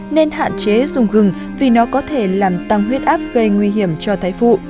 nên hạn chế dùng gừng vì nó có thể làm tăng huyết áp gây nguy hiểm cho thái phụ